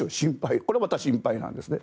これまた心配なんですね。